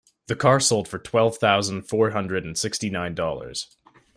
The car sold for twelve thousand four hundred and sixty nine dollars.